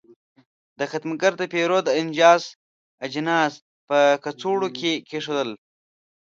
دا خدمتګر د پیرود اجناس په کڅوړو کې کېښودل.